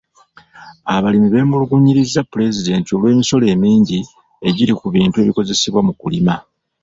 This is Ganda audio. Abalimi beemulugunyiriza pulezidenti olw'emisolo emingi egiri ku bintu ebikozesebwa mu kulima.